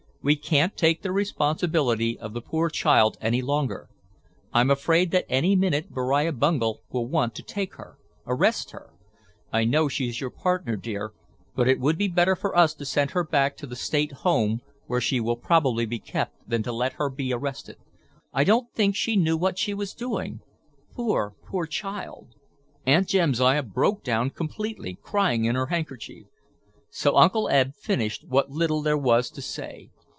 We can't take the responsibility of the poor child any longer. I'm afraid that any minute Beriah Bungel will want to take her—arrest her. I know she's your partner, dear, but it would be better for us to send her back to the state home where she will probably be kept than to let her be arrested. I don't think she knew what she was doing, poor, poor child—" Aunt Jamsiah broke down completely, crying in her handkerchief. So Uncle Eb finished what little there was to say.